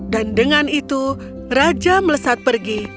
dan dengan itu raja melesat pergi